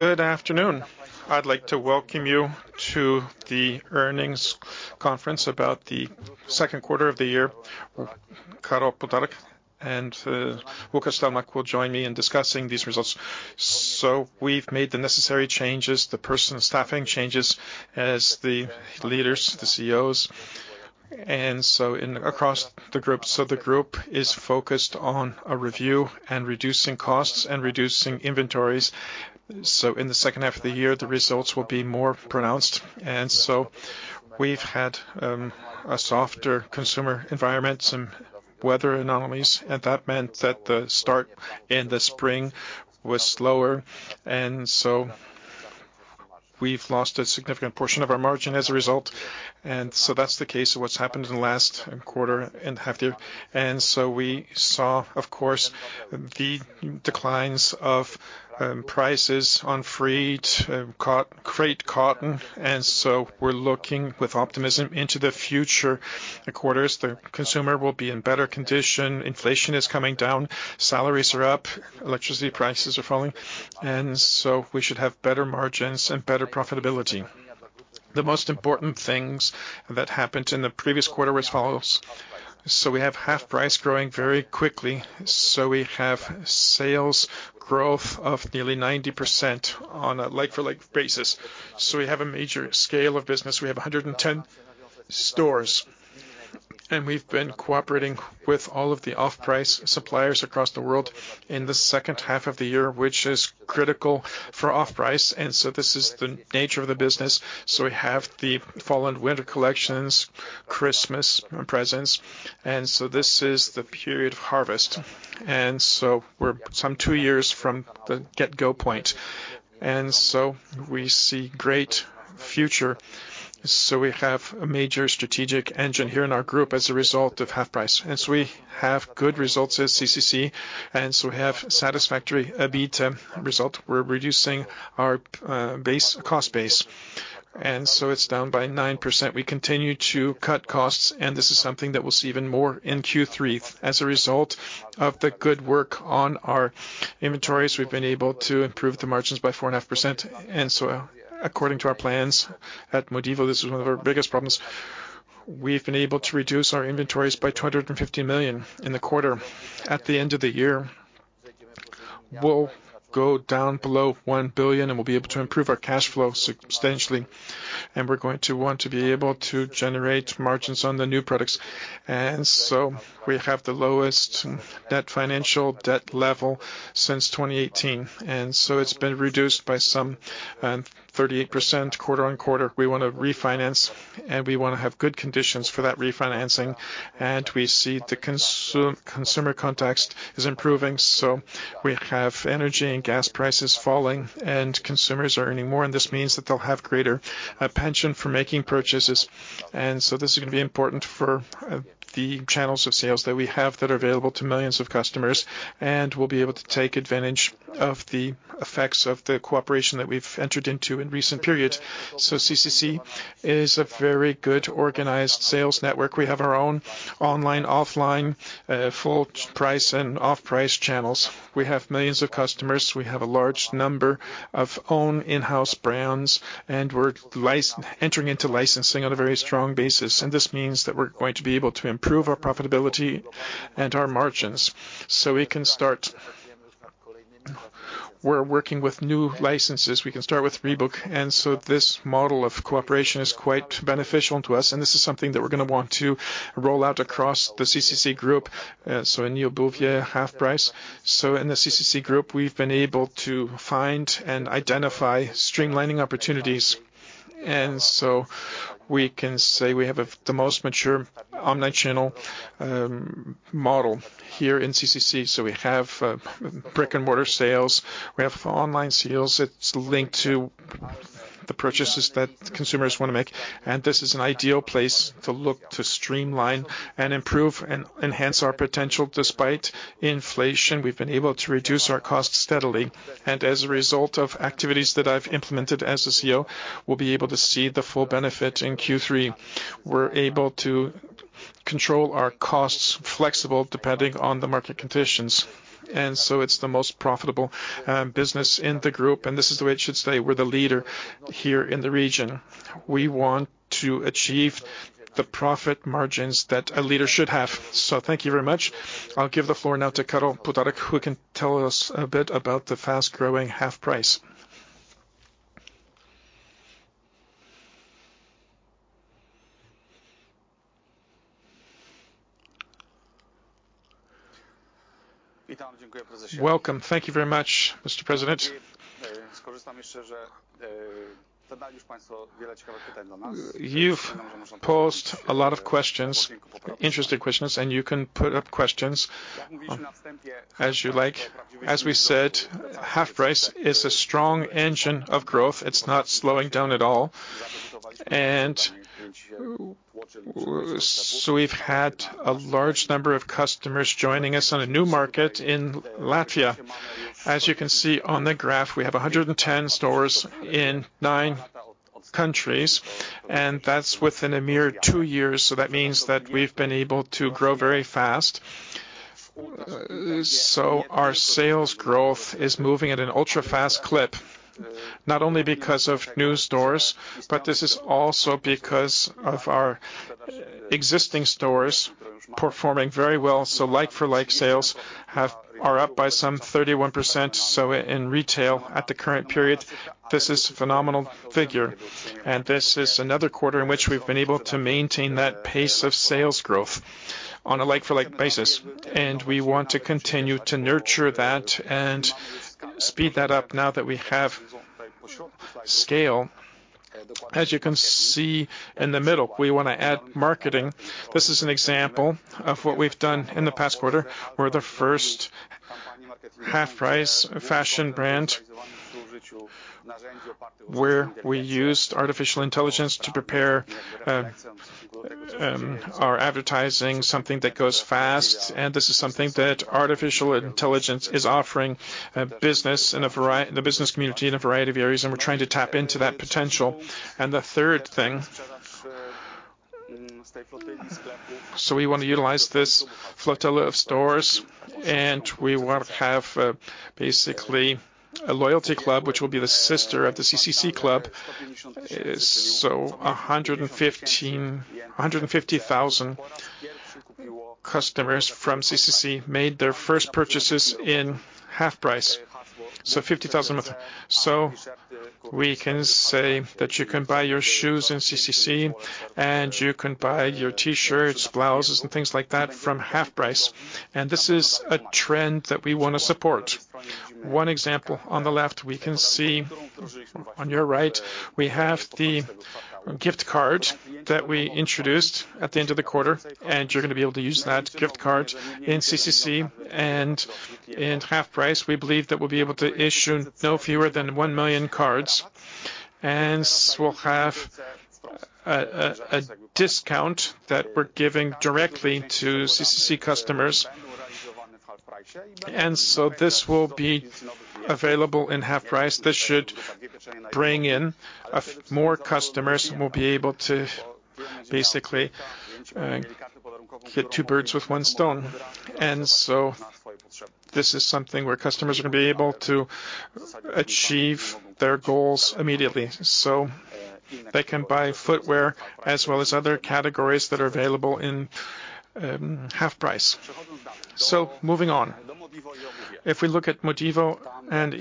Good afternoon. I'd like to welcome you to the earnings conference about the second quarter of the year. Karol Półtorak and Łukasz Stelmach will join me in discussing these results. We've made the necessary changes, the person staffing changes, as the leaders, the CEOs, in across the group. The group is focused on a review and reducing costs and reducing inventories. In the second half of the year, the results will be more pronounced. We've had a softer consumer environment, some weather anomalies, and that meant that the start in the spring was slower, we've lost a significant portion of our margin as a result. That's the case of what's happened in the last quarter and half year. We saw, of course, the declines of prices on freight, crude, cotton, we're looking with optimism into the future quarters. The consumer will be in better condition, inflation is coming down, salaries are up, electricity prices are falling, we should have better margins and better profitability. The most important things that happened in the previous quarter was follows. We have HalfPrice growing very quickly, we have sales growth of nearly 90% on a like-for-like basis. We have a major scale of business. We have 110 stores, and we've been cooperating with all of the off-price suppliers across the world in the second half of the year, which is critical for off-price, this is the nature of the business. We have the fall and winter collections, Christmas presents, this is the period of harvest. We're some 2 years from the get-go point, we see great future. We have a major strategic engine here in our group as a result of HalfPrice, we have good results at CCC, we have satisfactory EBITDA result. We're reducing our base, cost base, it's down by 9%. We continue to cut costs, this is something that we'll see even more in Q3. As a result of the good work on our inventories, we've been able to improve the margins by 4.5%. According to our plans at Modivo, this is one of our biggest problems. We've been able to reduce our inventories by 250 million in the quarter. At the end of the year, we'll go down below 1 billion. We'll be able to improve our cash flow substantially. We're going to want to be able to generate margins on the new products. We have the lowest net financial debt level since 2018. It's been reduced by some 38% quarter-on-quarter. We want to refinance, and we want to have good conditions for that refinancing. We see the consumer context is improving. We have energy and gas prices falling. Consumers are earning more. This means that they'll have greater pension for making purchases. This is going to be important for the channels of sales that we have that are available to millions of customers, and we'll be able to take advantage of the effects of the cooperation that we've entered into in recent periods. CCC is a very good organized sales network. We have our own online, offline, full-price and off-price channels. We have millions of customers. We have a large number of own in-house brands, and we're entering into licensing on a very strong basis, and this means that we're going to be able to improve our profitability and our margins. We're working with new licenses. We can start with Reebok, and so this model of cooperation is quite beneficial to us, and this is something that we're going to want to roll out across the CCC Group, so in eobuwie, HalfPrice. In the CCC Group, we've been able to find and identify streamlining opportunities, and so we can say we have a, the most mature omnichannel model here in CCC. We have brick-and-mortar sales, we have online sales. It's linked to the purchases that consumers want too make, and this is an ideal place to look to streamline and improve and enhance our potential. Despite inflation, we've been able to reduce our costs steadily, and as a result of activities that I've implemented as the CEO, we'll be able to see the full benefit in Q3. We're able to control our costs flexible, depending on the market conditions, and so it's the most profitable business in the group, and this is the way it should stay. We're the leader here in the region. We want to achieve the profit margins that a leader should have. Thank you very much. I'll give the floor now to Karol Półtorak, who can tell us a bit about the fast-growing HalfPrice. Welcome. Thank you very much, Mr. President. You've posed a lot of questions, interesting questions, and you can put up questions as you like. As we said, HalfPrice is a strong engine of growth. It's not slowing down at all. We've had a large number of customers joining us on a new market in Latvia. As you can see on the graph, we have 110 stores in 9 countries, that's within a mere 2 years. That means that we've been able to grow very fast. Our sales growth is moving at an ultra-fast clip, not only because of new stores, but this is also because of our existing stores performing very well. Like-for-like sales are up by some 31%. In retail, at the current period, this is a phenomenal figure. This is another quarter in which we've been able to maintain that pace of sales growth on a like-for-like basis. We want to continue to nurture that and speed that up now that we have scale. As you can see in the middle, we want to add marketing. This is an example of what we've done in the past quarter. We're the first HalfPrice fashion brand, where we used artificial intelligence to prepare our advertising, something that goes fast, and this is something that artificial intelligence is offering a business and the business community in a variety of areas, and we're trying to tap into that potential. The third thing. We want to utilize this flotilla of stores, and we want to have basically a loyalty club, which will be the sister of the CCC Club. 150,000 customers from CCC made their first purchases in HalfPrice, so 50,000 of them. We can say that you can buy your shoes in CCC, and you can buy your T-shirts, blouses, and things like that from HalfPrice. This is a trend that we want to support. One example, on the left, we can see, on your right, we have the gift card that we introduced at the end of the quarter. You're going to be able to use that gift card in CCC and in HalfPrice. We believe that we'll be able to issue no fewer than 1 million cards. We'll have a discount that we're giving directly to CCC customers. This will be available in HalfPrice. This should bring in more customers. We'll be able to basically hit two birds with one stone. This is something where customers are going to be able to achieve their goals immediately. They can buy footwear as well as other categories that are available in HalfPrice. Moving on. If we look at Modivo and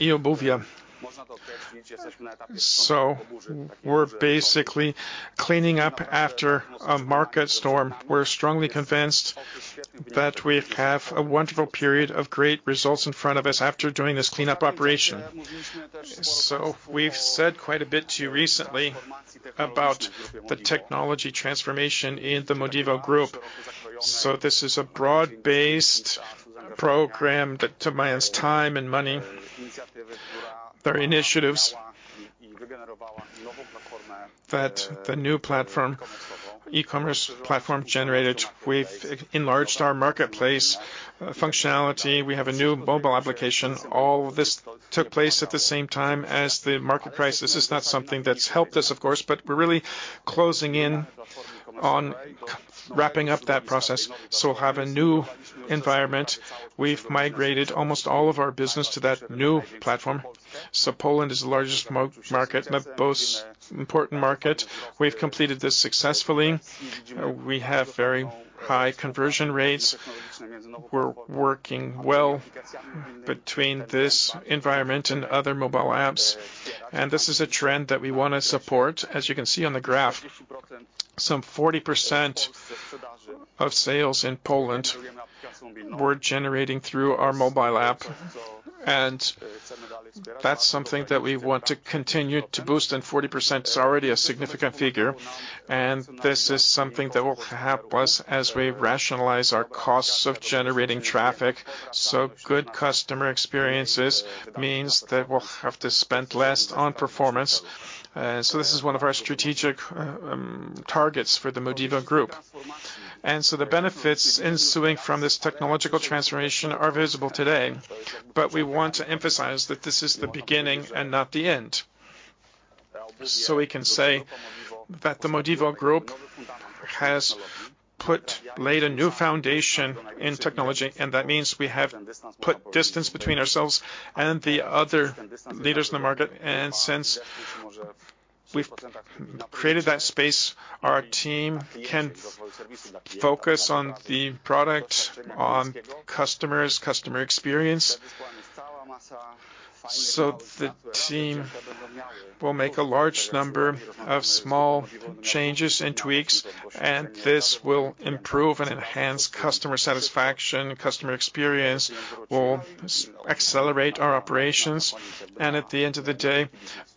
eobuwie, we're basically cleaning up after a market storm. We're strongly convinced that we have a wonderful period of great results in front of us after doing this cleanup operation. We've said quite a bit to you recently about the technology transformation in the Modivo Group. This is a broad-based program that demands time and money. There are initiatives that the new platform, e-commerce platform, generated. We've enlarged our marketplace functionality. We have a new mobile application. All this took place at the same time as the market crisis. This is not something that's helped us, of course, but we're really closing in on wrapping up that process. We'll have a new environment. We've migrated almost all of our business to that new platform. Poland is the largest market and the most important market. We've completed this successfully. We have very high conversion rates. We're working well between this environment and other mobile apps. This is a trend that we want to support. As you can see on the graph, some 40% of sales in Poland were generating through our mobile app. That's something that we want to continue to boost. 40% is already a significant figure. This is something that will help us as we rationalize our costs of generating traffic. Good customer experiences means that we'll have to spend less on performance. This is one of our strategic targets for the Modivo Group. The benefits ensuing from this technological transformation are visible today. We want to emphasize that this is the beginning and not the end. We can say that the Modivo Group has laid a new foundation in technology, and that means we have put distance between ourselves and the other leaders in the market, and since we've created that space, our team can focus on the product, on customers, customer experience. The team will make a large number of small changes and tweaks, and this will improve and enhance customer satisfaction, customer experience, will accelerate our operations, and at the end of the day,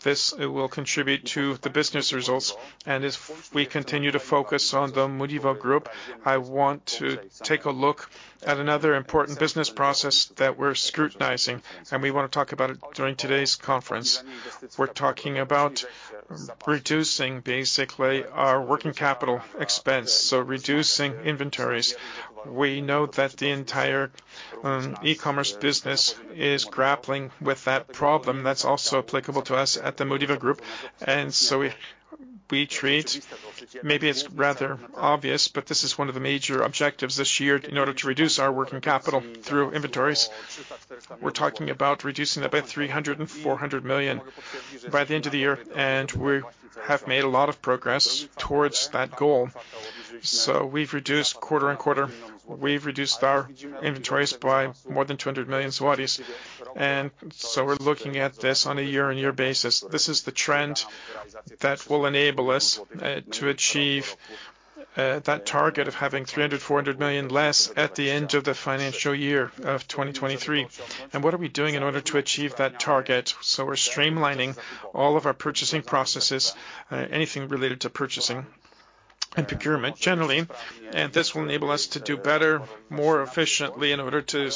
this will contribute to the business results. As we continue to focus on the Modivo Group, I want to take a look at another important business process that we're scrutinizing, and we want to talk about it during today's conference. We're talking about reducing basically our working capital expense, so reducing inventories. We know that the entire e-commerce business is grappling with that problem. That's also applicable to us at the Modivo Group. So we trade, maybe it's rather obvious, but this is one of the major objectives this year in order to reduce our working capital through inventories. We're talking about reducing about 300 million-400 million by the end of the year. We have made a lot of progress towards that goal. We've reduced quarter-on-quarter, we've reduced our inventories by more than 200 million zlotys. We're looking at this on a year-on-year basis. This is the trend that will enable us to achieve that target of having 300 million-400 million less at the end of the financial year of 2023. What are we doing in order to achieve that target? We're streamlining all of our purchasing processes, anything related to purchasing and procurement generally, this will enable us to do better, more efficiently in order to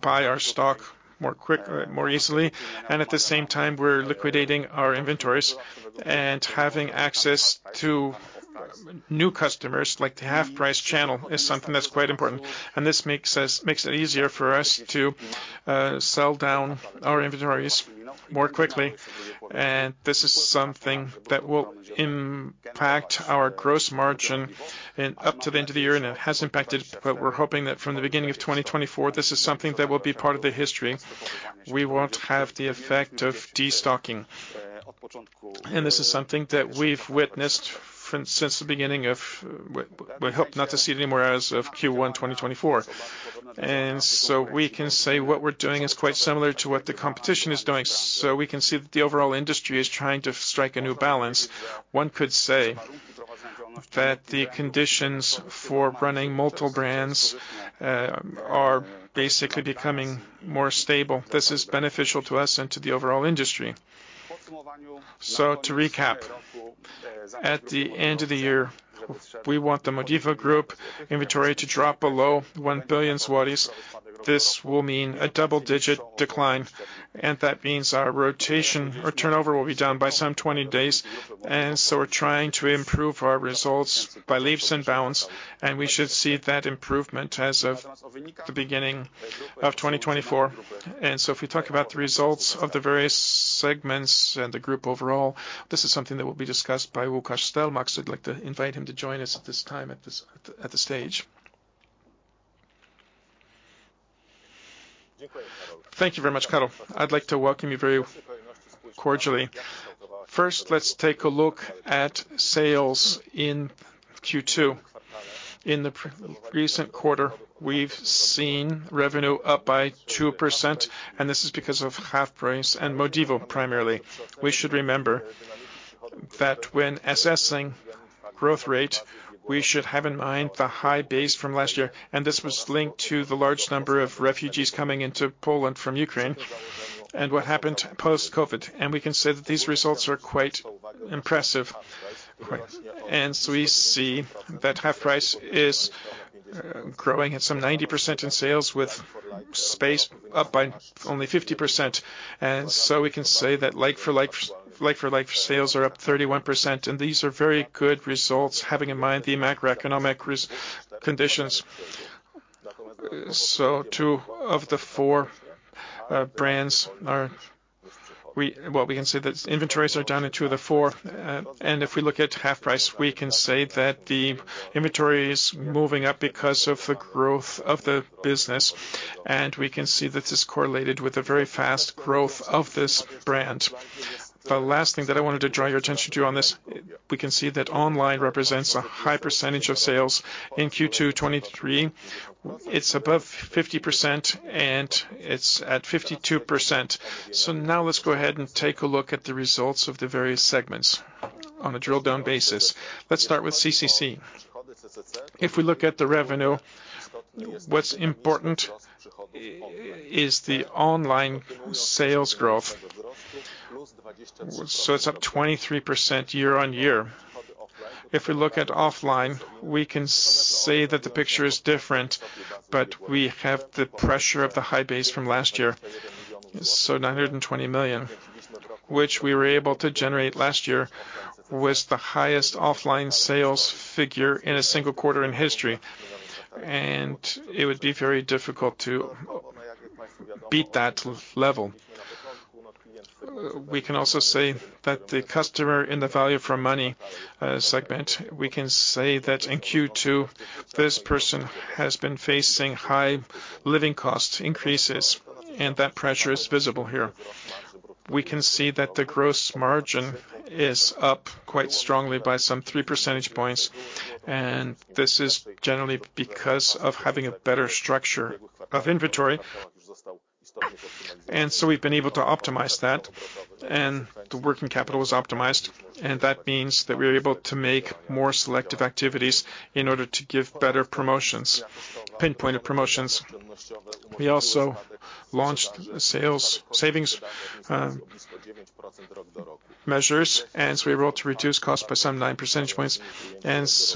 buy our stock more quick, more easily. At the same time, we're liquidating our inventories and having access to new customers, like the HalfPrice channel, is something that's quite important. This makes us- makes it easier for us to sell down our inventories more quickly. This is something that will impact our gross margin and up to the end of the year, and it has impacted, but we're hoping that from the beginning of 2024, this is something that will be part of the history. We won't have the effect of destocking. This is something that we've witnessed from... since the beginning of we hope not to see it anymore as of Q1 2024. we can say what we're doing is quite similar to what the competition is doing. we can see that the overall industry is trying to strike a new balance. One could say that the conditions for running multiple brands are basically becoming more stable. This is beneficial to us and to the overall industry. to recap, at the end of the year, we want the Modivo Group inventory to drop below 1 billion zlotys. This will mean a double-digit decline, and that means our rotation or turnover will be down by some 20 days. we're trying to improve our results by leaps and bounds, and we should see that improvement as of the beginning of 2024. If we talk about the results of the various segments and the group overall, this is something that will be discussed by Łukasz Stelmach. I'd like to invite him to join us at this time at the stage. Thank you very much, Karol. I'd like to welcome you very cordially. First, let's take a look at sales in Q2. In the recent quarter, we've seen revenue up by 2%, and this is because of HalfPrice and Modivo, primarily. We should remember that when assessing growth rate, we should have in mind the high base from last year, and this was linked to the large number of refugees coming into Poland from Ukraine and what happened post-COVID, and we can say that these results are quite impressive. We see that HalfPrice is growing at some 90% in sales, with space up by only 50%. We can say that like-for-like, like-for-like sales are up 31%, and these are very good results, having in mind the macroeconomic conditions. Two of the four brands are. Well, we can say that inventories are down in two of the four. If we look at HalfPrice, we can say that the inventory is moving up because of the growth of the business, and we can see that this is correlated with a very fast growth of this brand. The last thing that I wanted to draw your attention to on this, we can see that online represents a high percentage of sales. In Q2 2023, it's above 50%, and it's at 52%. Now let's go ahead and take a look at the results of the various segments on a drill down basis. Let's start with CCC. If we look at the revenue, what's important is the online sales growth. It's up 23% year-on-year. If we look at offline, we can say that the picture is different, but we have the pressure of the high base from last year. 920 million, which we were able to generate last year, was the highest offline sales figure in a single quarter in history, and it would be very difficult to beat that level. We can also say that the customer in the value for money segment, we can say that in Q2, this person has been facing high living cost increases, and that pressure is visible here. We can see that the gross margin is up quite strongly by some 3 percentage points. This is generally because of having a better structure of inventory. We've been able to optimize that. The working capital is optimized. That means that we are able to make more selective activities in order to give better promotions, pinpointed promotions. We also launched sales, savings measures. We were able to reduce costs by some 9 percentage points.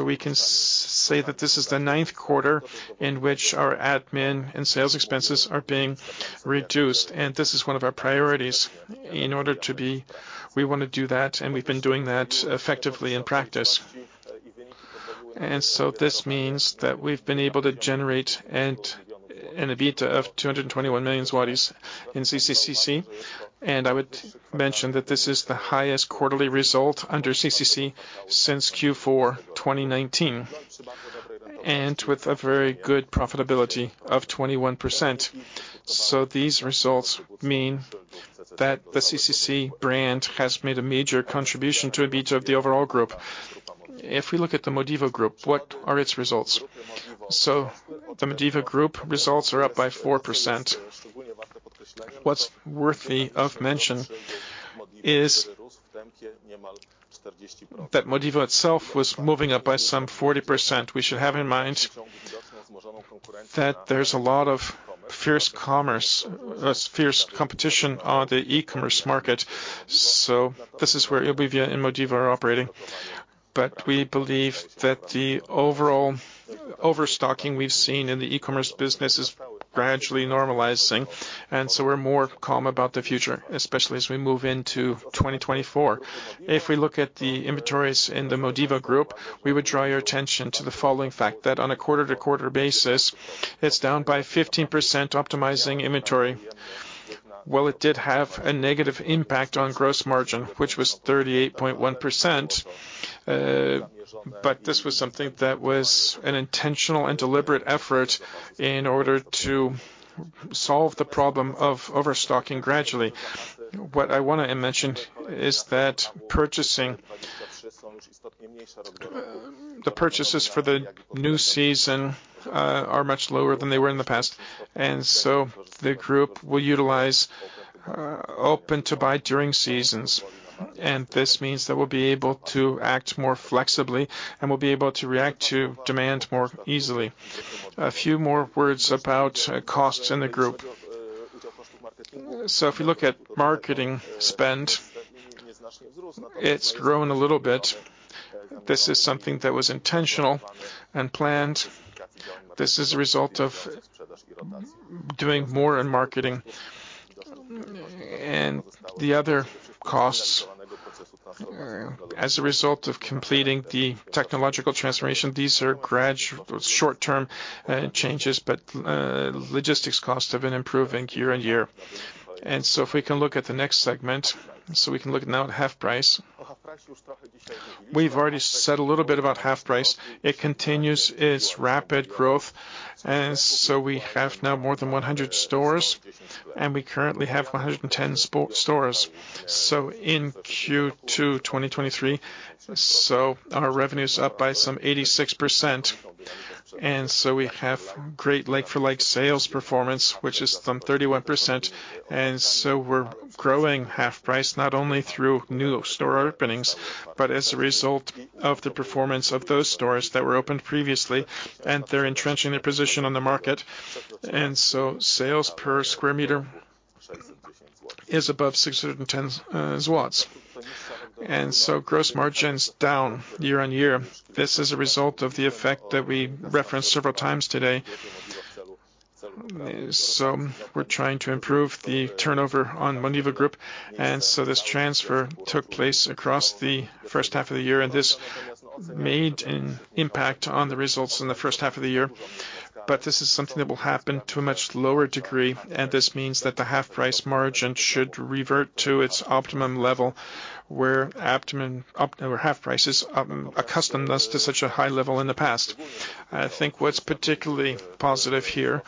We can say that this is the ninth quarter in which our admin and sales expenses are being reduced. This is one of our priorities. In order to be, we want to do that, and we've been doing that effectively in practice. This means that we've been able to generate an EBITDA of 221 million zlotys in CCC. I would mention that this is the highest quarterly result under CCC since Q4, 2019, and with a very good profitability of 21%. These results mean that the CCC brand has made a major contribution to EBITDA of the overall group. If we look at the Modivo Group, what are its results? The Modivo Group results are up by 4%. What's worthy of mention is that Modivo itself was moving up by some 40%. We should have in mind that there's a lot of fierce commerce, fierce competition on the e-commerce market. This is where eobuwie and Modivo are operating. We believe that the overall overstocking we've seen in the e-commerce business is gradually normalizing, and so we're more calm about the future, especially as we move into 2024. If we look at the inventories in the Modivo Group, we would draw your attention to the following fact, that on a quarter-to-quarter basis, it's down by 15%, optimizing inventory, while it did have a negative impact on gross margin, which was 38.1%. This was something that was an intentional and deliberate effort in order to solve the problem of overstocking gradually. What I want to mention is that purchasing, the purchases for the new season, are much lower than they were in the past. The group will utilize open-to-buy during seasons. This means that we'll be able to act more flexibly, and we'll be able to react to demand more easily. A few more words about costs in the group. If you look at marketing spend, it's grown a little bit. This is something that was intentional and planned. This is a result of doing more in marketing and the other costs as a result of completing the technological transformation. These are gradual, short-term changes, but logistics costs have been improving year on year. If we can look at the next segment, we can look now at HalfPrice. We've already said a little bit about HalfPrice. It continues its rapid growth, we have now more than 100 stores, and we currently have 110 stores. In Q2 2023, our revenue is up by some 86%, we have great like-for-like sales performance, which is some 31%. We're growing HalfPrice not only through new store openings, but as a result of the performance of those stores that were opened previously, and they're entrenching their position on the market. Sales per square meter is above 610 PLN. Gross margin's down year-over-year. This is a result of the effect that we referenced several times today. We're trying to improve the turnover on Modivo Group, and so this transfer took place across the first half of the year, and this made an impact on the results in the first half of the year. This is something that will happen to a much lower degree, and this means that the HalfPrice margin should revert to its optimum level, where optimum, where HalfPrice is accustomed us to such a high level in the past. I think what's particularly positive here,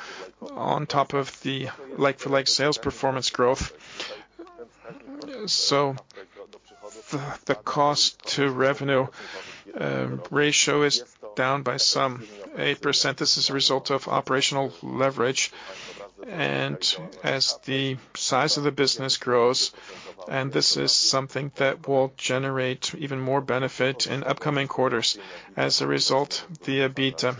on top of the like-for-like sales performance growth, so the, the cost to revenue ratio is down by some 8%. This is a result of operational leverage and as the size of the business grows, and this is something that will generate even more benefit in upcoming quarters. As a result, the EBITDA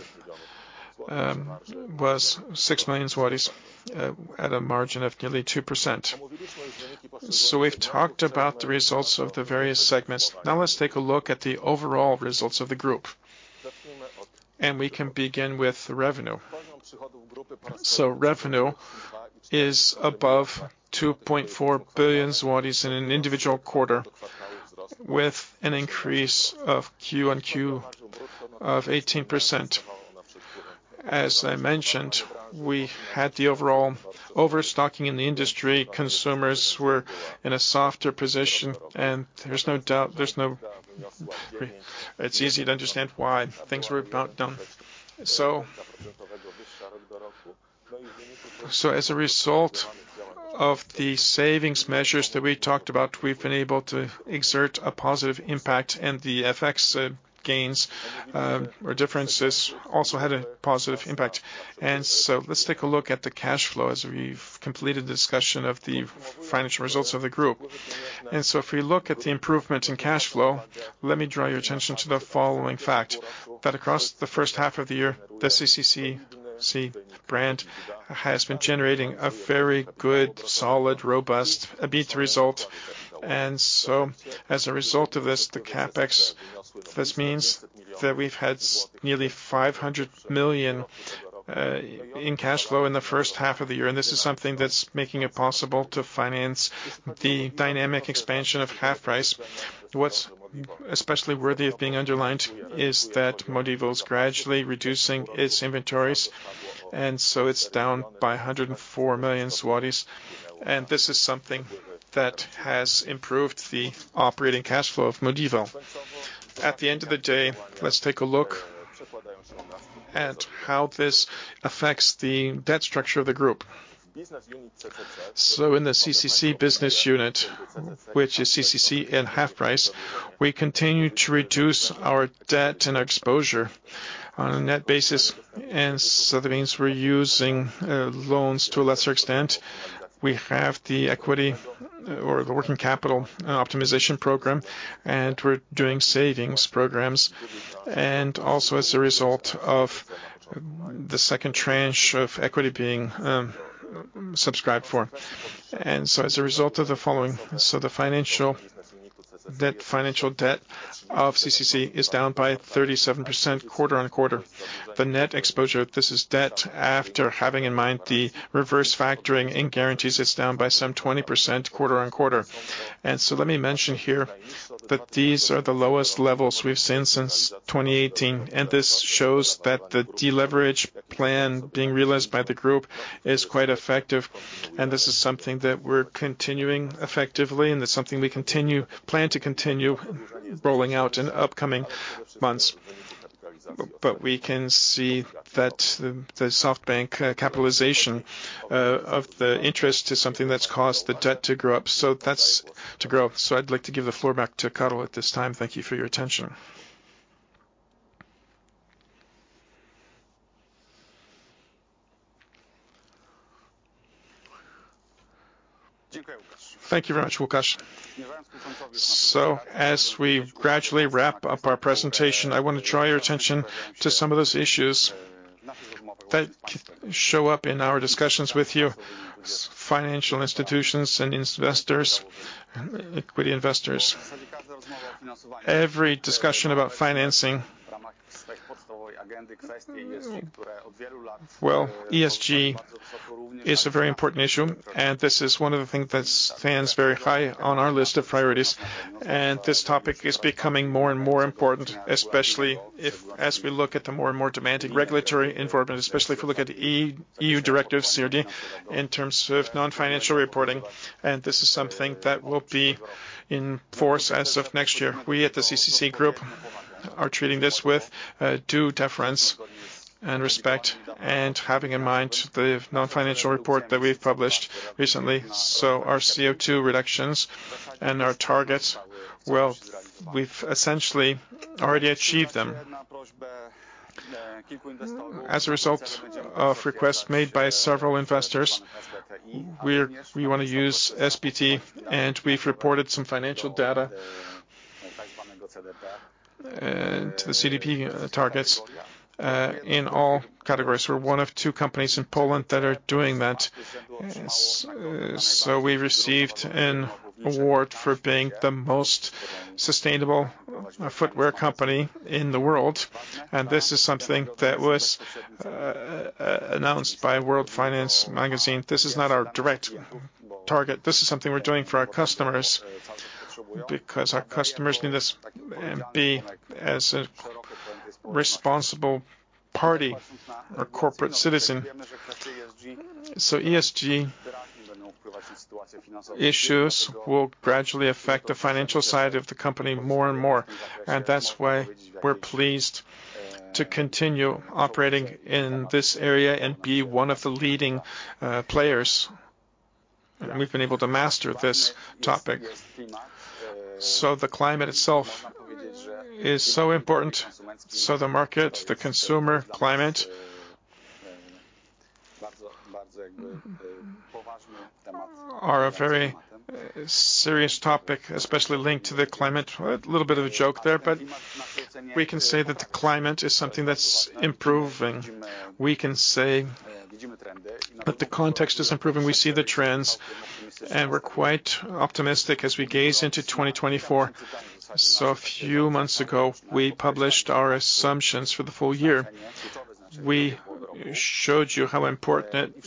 was 6 million zlotys at a margin of nearly 2%. We've talked about the results of the various segments. Now let's take a look at the overall results of the group. We can begin with the revenue. Revenue is above 2.4 billion zlotys in an individual quarter, with an increase of quarter-over-quarter of 18%. As I mentioned, we had the overall overstocking in the industry. Consumers were in a softer position, and there's no doubt, there's no... It's easy to understand why things were not done. As a result of the savings measures that we talked about, we've been able to exert a positive impact, and the FX gains or differences also had a positive impact. Let's take a look at the cash flow as we've completed the discussion of the financial results of the group. If we look at the improvement in cash flow, let me draw your attention to the following fact, that across the first half of the year, the CCC brand has been generating a very good, solid, robust, EBITDA result. As a result of this, the CapEx, this means that we've had nearly 500 million. in cash flow in the first half of the year, this is something that's making it possible to finance the dynamic expansion of HalfPrice. What's especially worthy of being underlined is that Modivo is gradually reducing its inventories, it's down by 104 million zlotys, this is something that has improved the operating cash flow of Modivo. At the end of the day, let's take a look at how this affects the debt structure of the group. In the CCC business unit, which is CCC and HalfPrice, we continue to reduce our debt and exposure on a net basis, that means we're using loans to a lesser extent. We have the equity or the working capital optimization program, we're doing savings programs, also as a result of the second tranche of equity being subscribed for. As a result of the following, the financial debt of CCC is down by 37% quarter-on-quarter. The net exposure, this is debt after having in mind the reverse factoring and guarantees, it's down by some 20% quarter-on-quarter. Let me mention here that these are the lowest levels we've seen since 2018, and this shows that the deleverage plan being realized by the group is quite effective, and this is something that we're continuing effectively, and it's something we plan to continue rolling out in upcoming months. We can see that the SoftBank capitalization of the interest is something that's caused the debt to grow up. So that's to grow. I'd like to give the floor back to Karol at this time. Thank you for your attention. Thank you very much, Łukasz. As we gradually wrap up our presentation, I want to draw your attention to some of those issues that show up in our discussions with you, financial institutions and investors, equity investors. Every discussion about financing, well, ESG is a very important issue. This is one of the things that stands very high on our list of priorities. This topic is becoming more and more important, especially if as we look at the more and more demanding regulatory environment, especially if we look at the EU Directive CSRD in terms of non-financial reporting. This is something that will be in force as of next year. We at the CCC Group are treating this with due deference and respect, and having in mind the non-financial report that we've published recently, so our CO2 reductions and our targets, well, we've essentially already achieved them. As a result of requests made by several investors, we want to use SPT, and we've reported some financial data to the CDP targets in all categories. We're one of two companies in Poland that are doing that. Yes, so we received an award for being the most sustainable footwear company in the world, and this is something that was announced by World Finance Magazine. This is not our direct target. This is something we're doing for our customers, because our customers need us be as a responsible party or corporate citizen. ESG issues will gradually affect the financial side of the company more and more, and that's why we're pleased to continue operating in this area and be one of the leading players. We've been able to master this topic. The climate itself is so important, so the market, the consumer climate are a very serious topic, especially linked to the climate. A little bit of a joke there, but we can say that the climate is something that's improving. We can say that the context is improving. We see the trends, and we're quite optimistic as we gaze into 2024. A few months ago, we published our assumptions for the full year. We showed you how important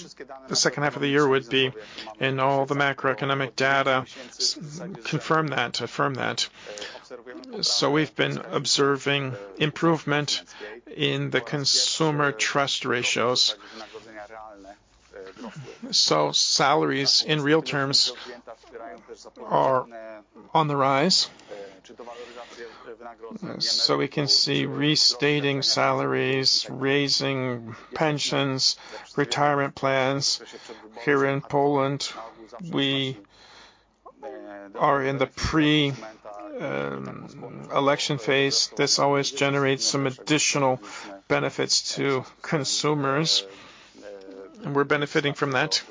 the second half of the year would be, and all the macroeconomic data confirm that, affirm that. We've been observing improvement in the consumer trust ratios. Salaries, in real terms, are on the rise. We can see restating salaries, raising pensions, retirement plans. Here in Poland, we are in the pre, election phase. This always generates some additional benefits to consumers, and we're benefiting from that.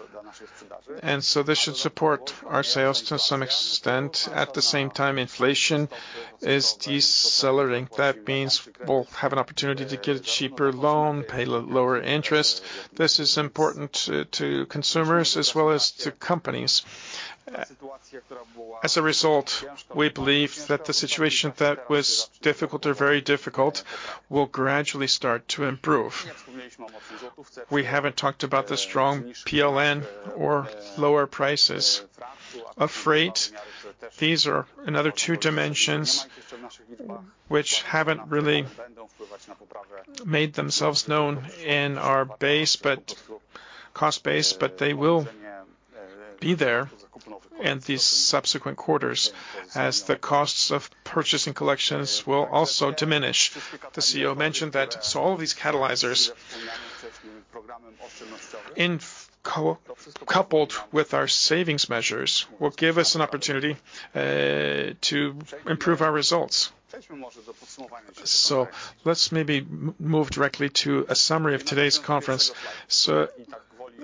This should support our sales to some extent. At the same time, inflation is decelerating. That means we'll have an opportunity to get a cheaper loan, pay lower interest. This is important to, to consumers as well as to companies. As a result, we believe that the situation that was difficult or very difficult will gradually start to improve. We haven't talked about the strong PLN or lower prices of freight. These are another two dimensions which haven't really made themselves known in our base, but cost base, but they will be there in these subsequent quarters as the costs of purchasing collections will also diminish. The CEO mentioned that all of these catalyzers, in co-coupled with our savings measures, will give us an opportunity to improve our results. Let's maybe move directly to a summary of today's conference.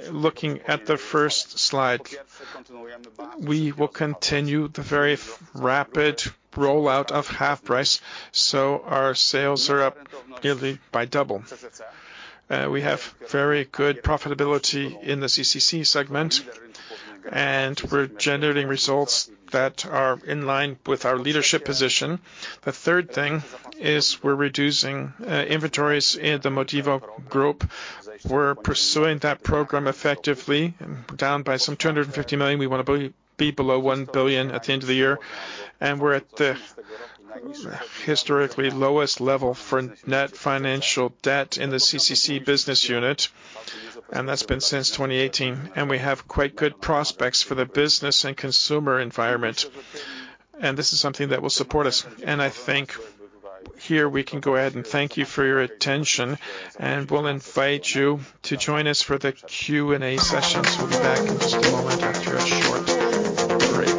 Looking at the first slide, we will continue the very rapid rollout of HalfPrice, our sales are up nearly by double. We have very good profitability in the CCC segment, we're generating results that are in line with our leadership position. The third thing is we're reducing inventories in the Modivo Group. We're pursuing that program effectively, down by some 250 million. We want to be below 1 billion at the end of the year, and we're at the historically lowest level for net financial debt in the CCC business unit, and that's been since 2018. We have quite good prospects for the business and consumer environment, and this is something that will support us. I think here we can go ahead and thank you for your attention, and we'll invite you to join us for the Q&A session. We'll be back in just a moment after a short break.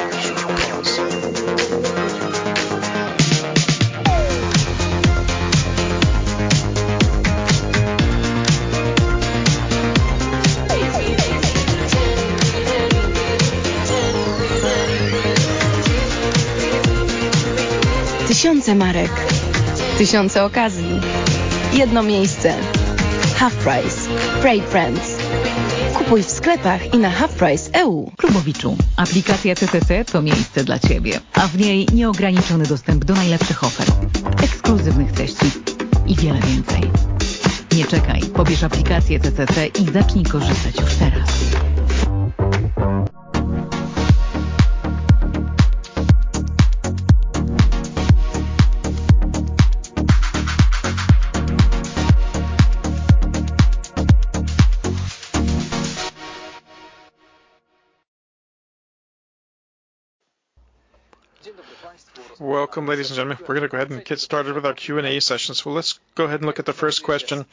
Welcome, ladies and gentlemen. We're going to go ahead and get started with our Q&A session. Let's go ahead and look at the 1st question: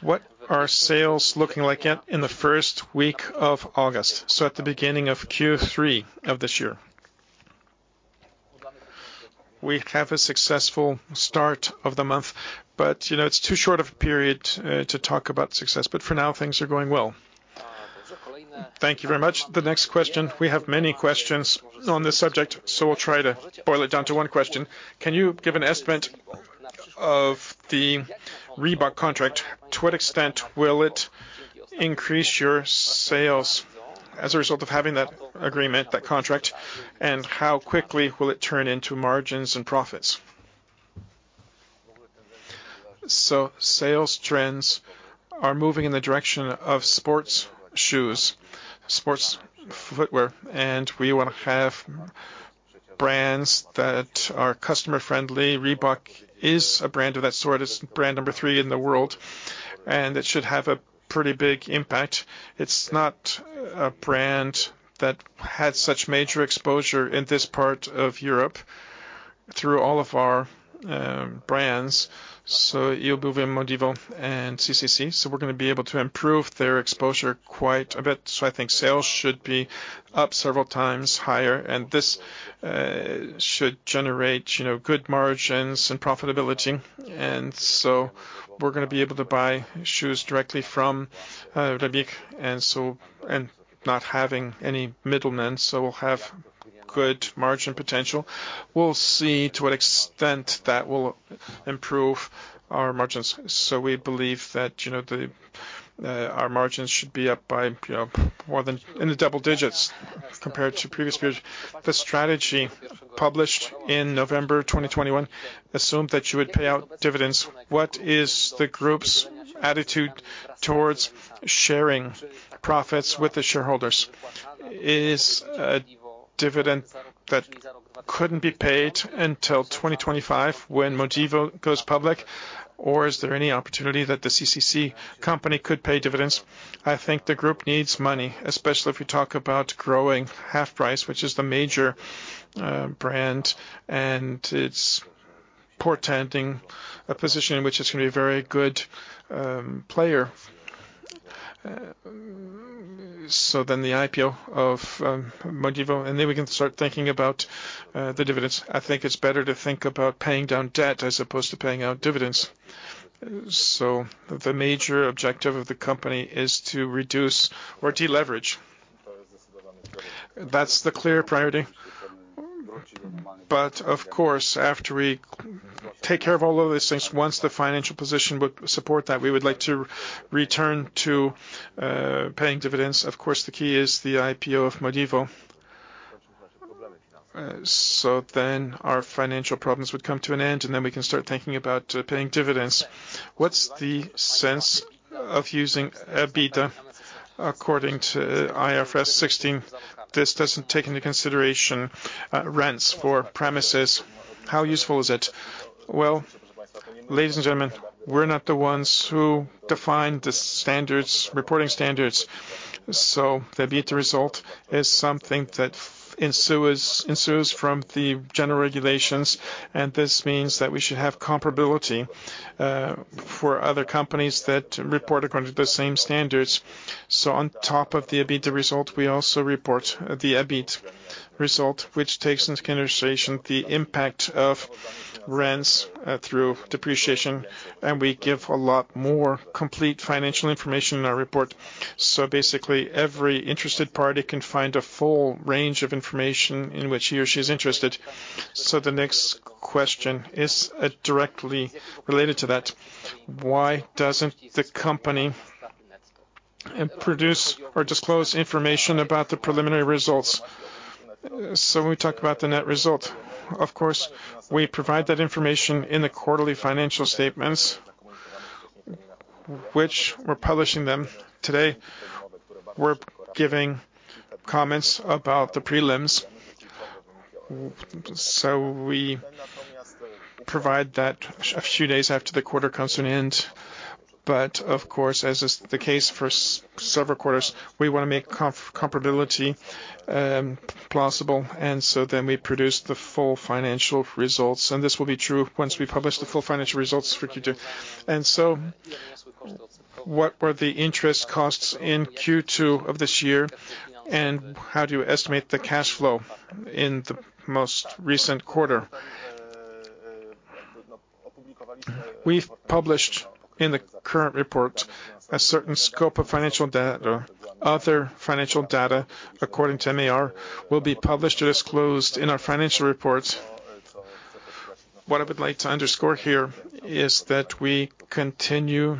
What are sales looking like at in the 1st week of August, so at the beginning of Q3 of this year? We have a successful start of the month, you know, it's too short of a period to talk about success. For now, things are going well. Thank you very much. The next question, we have many questions on this subject, so we'll try to boil it down to one question: Can you give an estimate of the Reebok contract? To what extent will it increase your sales as a result of having that agreement, that contract, and how quickly will it turn into margins and profits? Sales trends are moving in the direction of sports shoes, sports footwear, and we want to have brands that are customer-friendly. Reebok is a brand of that sort. It's brand number three in the world, and it should have a pretty big impact. It's not a brand that had such major exposure in this part of Europe through all of our brands, so eobuwie, Modivo, and CCC. We're going to be able to improve their exposure quite a bit. I think sales should be up several times higher, and this should generate, you know, good margins and profitability. We're going to be able to buy shoes directly from Reebok, and not having any middlemen, so we'll have good margin potential. We'll see to what extent that will improve our margins. We believe that, you know, the our margins should be up by, you know, more than in the double digits compared to previous periods. The strategy published in November 2021 assumed that you would pay out dividends. What is the group's attitude towards sharing profits with the shareholders? Is a dividend that couldn't be paid until 2025 when Modivo goes public, or is there any opportunity that the CCC company could pay dividends? I think the group needs money, especially if you talk about growing HalfPrice, which is the major brand, and it's portending a position in which it's going to be a very good player. The IPO of Modivo, and then we can start thinking about the dividends. I think it's better to think about paying down debt as opposed to paying out dividends. The major objective of the company is to reduce or deleverage. That's the clear priority. Of course, after we take care of all of these things, once the financial position would support that, we would like to return to paying dividends. Of course, the key is the IPO of Modivo.... Then our financial problems would come to an end, and then we can start thinking about paying dividends. What's the sense of using EBITDA according to IFRS 16? This doesn't take into consideration rents for premises. How useful is it? Well, ladies and gentlemen, we're not the ones who define the standards, reporting standards. The EBITDA result is something that ensues, ensues from the general regulations, and this means that we should have comparability for other companies that report according to the same standards. On top of the EBITDA result, we also report the EBIT result, which takes into consideration the impact of rents through depreciation, and we give a lot more complete financial information in our report. Basically, every interested party can find a full range of information in which he or she is interested. The next question is directly related to that: Why doesn't the company produce or disclose information about the preliminary results? When we talk about the net result, of course, we provide that information in the quarterly financial statements, which we're publishing them today. We're giving comments about the prelims. We provide that a few days after the quarter comes to an end. Of course, as is the case for several quarters, we want to make comparability plausible, we produce the full financial results, and this will be true once we publish the full financial results for Q2. What were the interest costs in Q2 of this year, and how do you estimate the cash flow in the most recent quarter? We've published in the current report a certain scope of financial data. Other financial data, according to MAR, will be published or disclosed in our financial reports. What I would like to underscore here is that we continue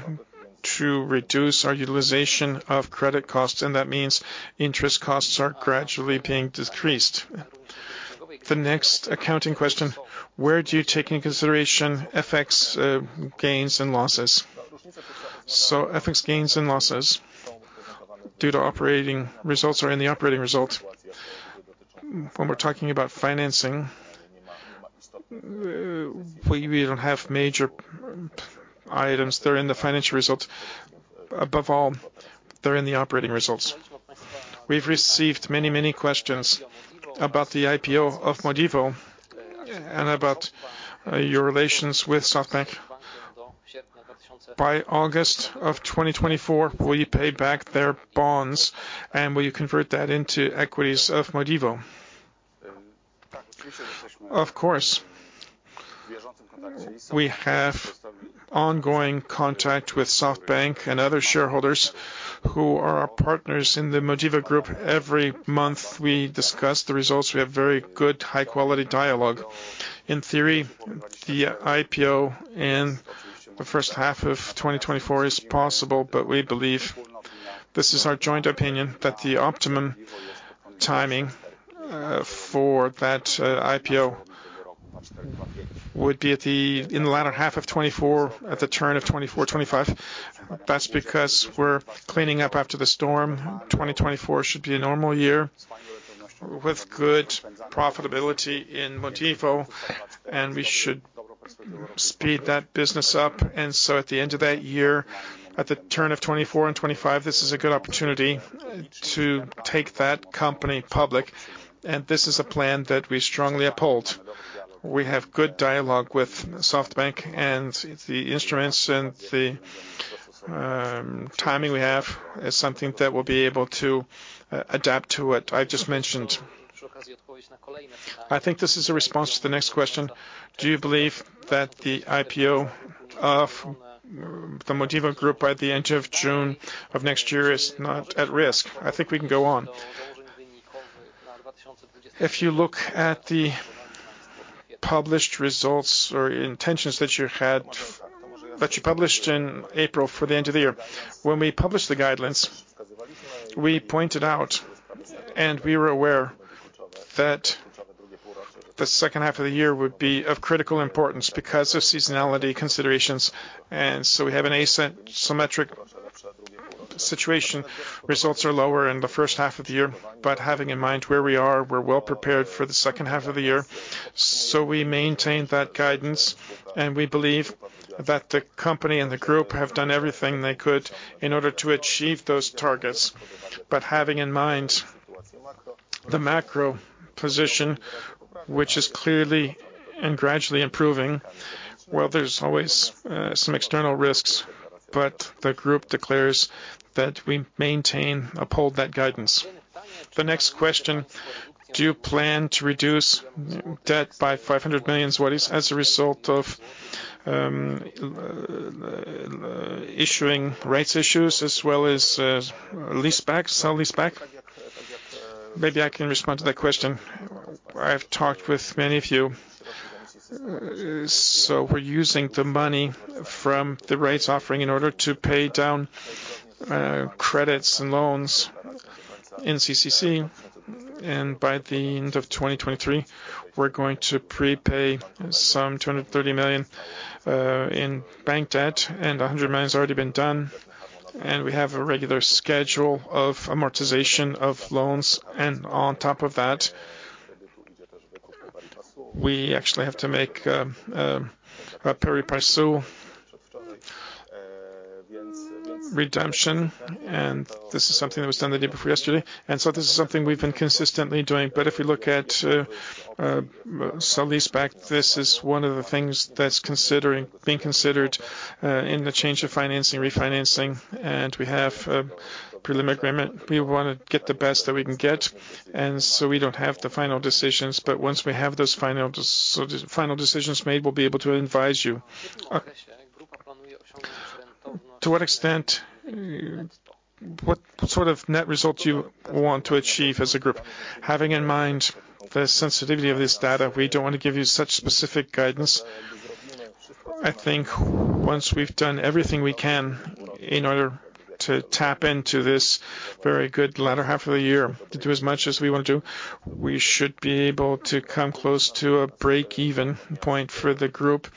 to reduce our utilization of credit costs, and that means interest costs are gradually being decreased. The next accounting question: Where do you take into consideration FX gains and losses? FX gains and losses due to operating results are in the operating result. When we're talking about financing, we, we don't have major items. They're in the financial result. Above all, they're in the operating results. We've received many, many questions about the IPO of Modivo and about your relations with SoftBank. By August of 2024, will you pay back their bonds, and will you convert that into equities of Modivo? We have ongoing contact with SoftBank and other shareholders who are our partners in the Modivo Group. Every month, we discuss the results. We have very good, high-quality dialogue. In theory, the IPO in the first half of 2024 is possible, but we believe, this is our joint opinion, that the optimum timing for that IPO would be in the latter half of 2024, at the turn of 2024, 2025. That's because we're cleaning up after the storm. 2024 should be a normal year with good profitability in Modivo. We should speed that business up. At the end of that year, at the turn of 2024 and 2025, this is a good opportunity to take that company public. This is a plan that we strongly uphold. We have good dialogue with SoftBank, and the instruments and the timing we have is something that we'll be able to adapt to what I just mentioned. I think this is a response to the next question: Do you believe that the IPO of the Modivo Group by the end of June of next year is not at risk? I think we can go on. If you look at the published results or intentions that you had, that you published in April for the end of the year, when we published the guidelines, we pointed out and we were aware that the second half of the year would be of critical importance because of seasonality considerations, and so we have an asym- symmetric situation. Results are lower in the first half of the year, having in mind where we are, we're well prepared for the second half of the year. We maintain that guidance, and we believe that the company and the group have done everything they could in order to achieve those targets. Having in mind the macro position, which is clearly and gradually improving, well, there's always some external risks, but the group declares that we maintain, uphold that guidance. The next question: Do you plan to reduce debt by 500 million as a result of issuing rights issues as well as leaseback, sale-leaseback? Maybe I can respond to that question. I've talked with many of you. We're using the money from the rights offering in order to pay down credits and loans in CCC. By the end of 2023, we're going to prepay some 230 million in bank debt, and 100 million has already been done. We have a regular schedule of amortization of loans, and on top of that, we actually have to make a pari passu redemption, and this is something that was done the day before yesterday. This is something we've been consistently doing. If you look at sale-leaseback, this is one of the things that's being considered in the change of financing, refinancing, and we have a preliminary agreement. We want to get the best that we can get, and so we don't have the final decisions, but once we have those final decisions made, we'll be able to advise you. To what extent, what, what sort of net result you want to achieve as a group? Having in mind the sensitivity of this data, we don't want to give you such specific guidance. I think once we've done everything we can in order to tap into this very good latter half of the year to do as much as we want to do, we should be able to come close to a break-even point for the group.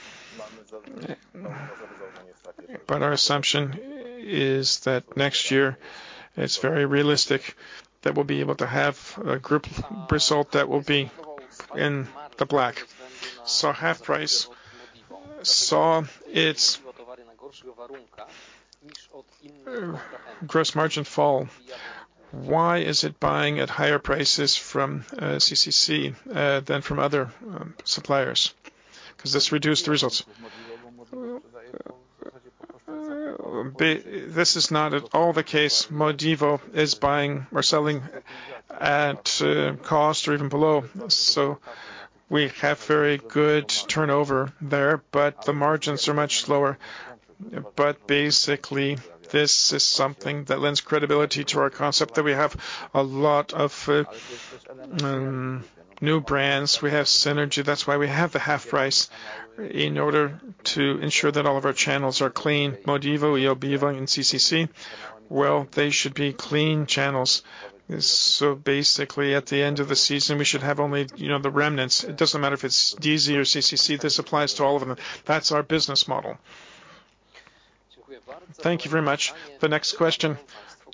Our assumption is that next year, it's very realistic that we'll be able to have a group result that will be in the black. HalfPrice saw its gross margin fall. Why is it buying at higher prices from CCC than from other suppliers? 'Cause this reduced the results. This is not at all the case. Modivo is buying or selling at cost or even below. We have very good turnover there, but the margins are much lower. Basically, this is something that lends credibility to our concept, that we have a lot of new brands. We have synergy. That's why we have the HalfPrice, in order to ensure that all of our channels are clean. Modivo, eobuwie.pl and CCC, well, they should be clean channels. Basically, at the end of the season, we should have only, you know, the remnants. It doesn't matter if it's DeeZee or CCC, this applies to all of them. That's our business model. Thank you very much. The next question,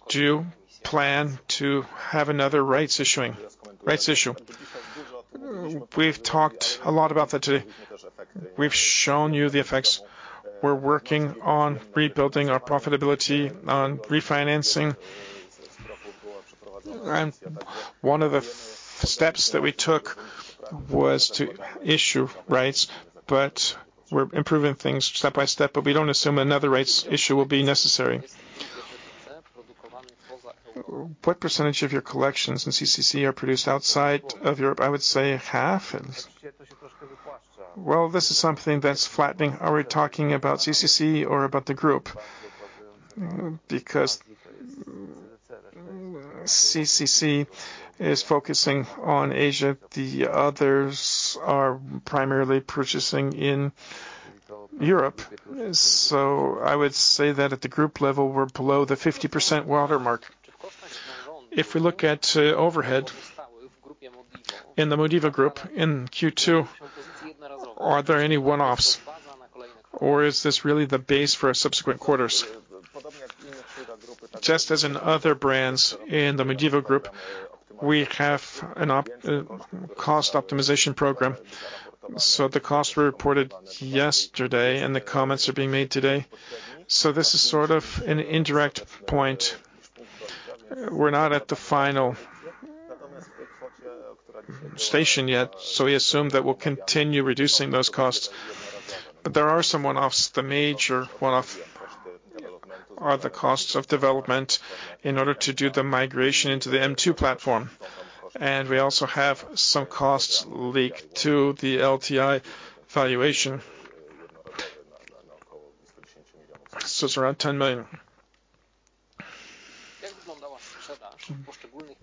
do you plan to have another rights issuing, rights issue? We've talked a lot about that today. We've shown you the effects. We're working on rebuilding our profitability, on refinancing. One of the steps that we took was to issue rights, but we're improving things step by step, but we don't assume another rights issue will be necessary. What % of your collections in CCC are produced outside of Europe? I would say half. Well, this is something that's flattening. Are we talking about CCC or about the group? Because CCC is focusing on Asia, the others are primarily purchasing in Europe. I would say that at the group level, we're below the 50% watermark. If we look at overhead in the Modivo Group, in Q2, are there any one-offs, or is this really the base for our subsequent quarters? Just as in other brands in the Modivo Group, we have a cost optimization program. The costs were reported yesterday, and the comments are being made today. This is sort of an indirect point. We're not at the final station yet, so we assume that we'll continue reducing those costs. But there are some one-offs. The major one-off are the costs of development in order to do the migration into the M2 platform. And we also have some costs leaked to the LTI valuation. It's around PLN 10 million.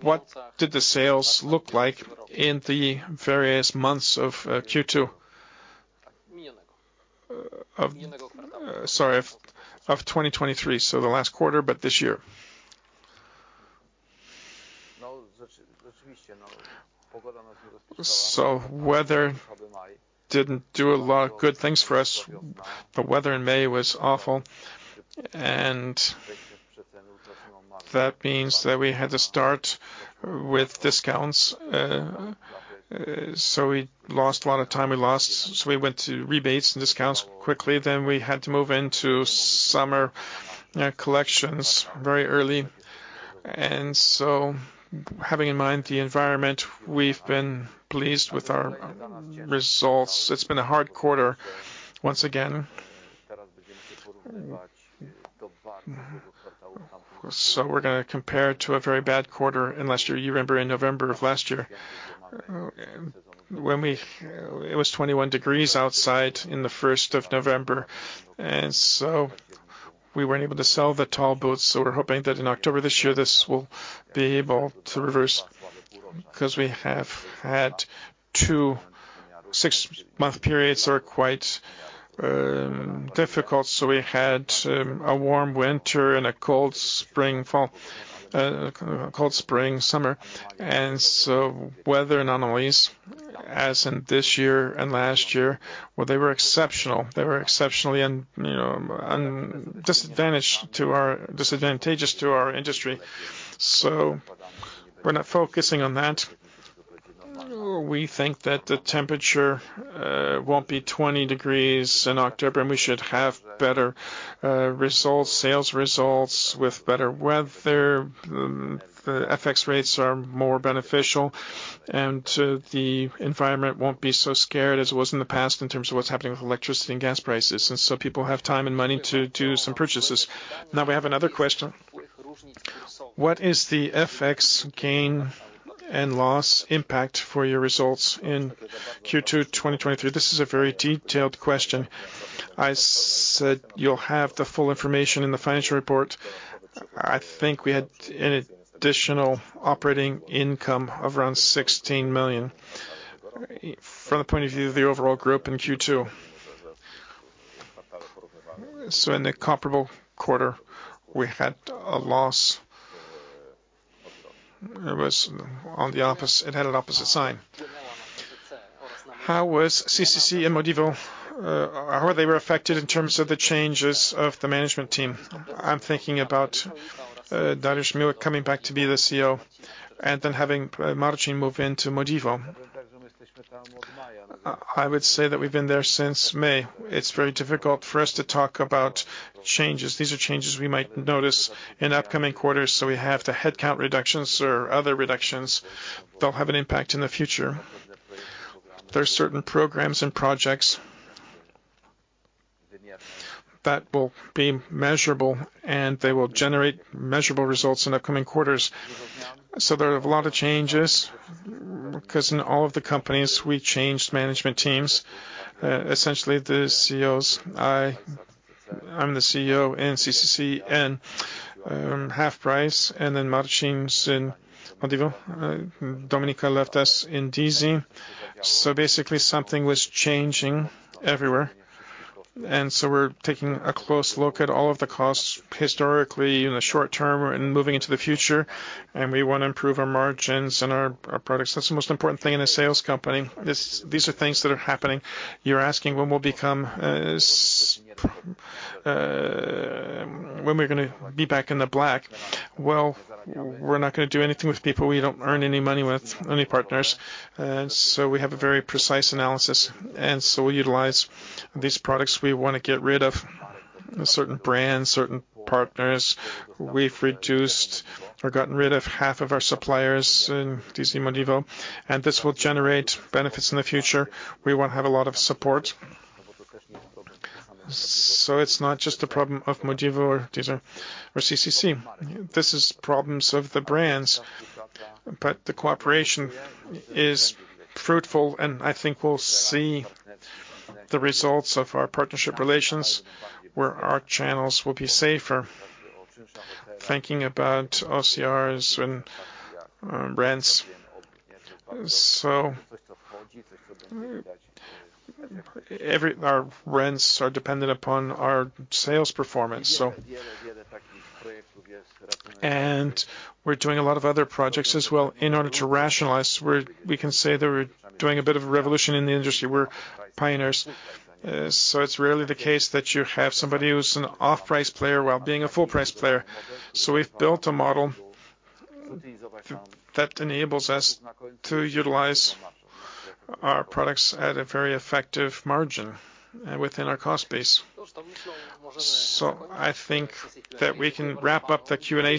What did the sales look like in the various months of Q2? Sorry, of, of 2023, so the last quarter, but this year. Weather didn't do a lot of good things for us. The weather in May was awful, and that means that we had to start with discounts, so we lost a lot of time. We lost... We went to rebates and discounts quickly. Then we had to move into summer collections very early. Having in mind the environment, we've been pleased with our results. It's been a hard quarter, once again. We're going to compare it to a very bad quarter in last year. You remember, in November of last year, when we... It was 21 degrees outside in the 1st of November, we weren't able to sell the tall boots, we're hoping that in October this year, this will be able to reverse. 'Cause we have had 2 6-month periods that are quite difficult. We had a warm winter and a cold spring, fall, a cold spring, summer. Weather anomalies, as in this year and last year, well, they were exceptional. They were exceptionally and, you know, disadvantageous to our industry. We're not focusing on that. We think that the temperature won't be 20 degrees in October. We should have better results, sales results with better weather. The FX rates are more beneficial. The environment won't be so scared as it was in the past in terms of what's happening with electricity and gas prices. People have time and money to do some purchases. Now, we have another question: What is the FX gain and loss impact for your results in Q2, 2023? This is a very detailed question. I said you'll have the full information in the financial report. I think we had an additional operating income of around 16 million. From the point of view of the overall group in Q2. In the comparable quarter, we had a loss. It had an opposite sign. How was CCC and Modivo, how they were affected in terms of the changes of the management team? I'm thinking about Dariusz Miłek coming back to be the CEO and then having Marcin move into Modivo. I would say that we've been there since May. It's very difficult for us to talk about changes. These are changes we might notice in upcoming quarters. We have the headcount reductions or other reductions. They'll have an impact in the future. There are certain programs and projects that will be measurable, and they will generate measurable results in upcoming quarters. There are a lot of changes, 'cause in all of the companies, we changed management teams. Essentially, the CEOs, I'm the CEO in CCC and HalfPrice, and then Marcin's in Modivo. Dominika left us in DeeZee. Basically, something was changing everywhere, and so we're taking a close look at all of the costs historically, in the short term, and moving into the future, and we want to improve our margins and our, our products. That's the most important thing in a sales company. These are things that are happening. You're asking when we'll become, when we're going to be back in the black. Well, we're not going to do anything with people we don't earn any money with, any partners, so we have a very precise analysis, and so we utilize these products. We want to get rid of certain brands, certain partners. We've reduced or gotten rid of half of our suppliers in DeeZee, Modivo, and this will generate benefits in the future. We won't have a lot of support. It's not just a problem of Modivo or DeeZee or CCC. This is problems of the brands, the cooperation is fruitful, and I think we'll see the results of our partnership relations, where our channels will be safer, thinking about OCRs and rents. Every. Our rents are dependent upon our sales performance. We're doing a lot of other projects as well in order to rationalize. We can say that we're doing a bit of a revolution in the industry. We're pioneers. It's rarely the case that you have somebody who's an off-price player while being a full-price player. We've built a model that enables us to utilize our products at a very effective margin within our cost base. I think that we can wrap up the Q&A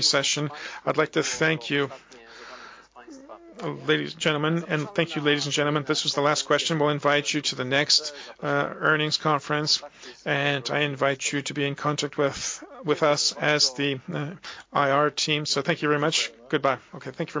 session. I'd like to thank you, ladies and gentlemen, and thank you, ladies and gentlemen. This was the last question. We'll invite you to the next earnings conference, and I invite you to be in contact with, with us as the IR team. Thank you very much. Goodbye. Thank you very much. Bye-bye. Within our cost base. I think that we can wrap up the Q&A session. I'd like to thank you, ladies and gentlemen, and thank you, ladies and gentlemen. This was the last question. We'll invite you to the next earnings conference, and I invite you to be in contact with, with us as the IR team. Thank you very much. Goodbye. Thank you very much.